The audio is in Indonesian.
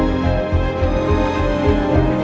mbak di sini kok